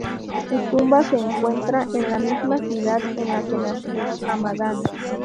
Su tumba se encuentra en la misma ciudad en la que nació, Hamadán.